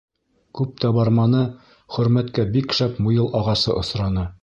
Күп тә барманы, Хөрмәткә бик шәп муйыл ағасы осраны.